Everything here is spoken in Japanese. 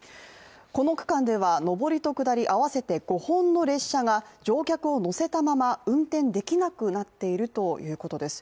この区間では上りと下り合わせて５本の列車が、乗客を乗せたまま運転できなくなっているということです。